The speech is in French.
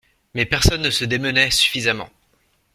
Mais personne ne se démenait suffisamment.